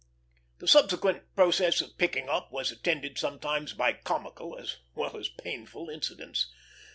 The subsequent process of picking up was attended sometimes by comical, as well as painful, incidents.